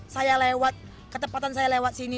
saya lewat ketepatan saya lewat sini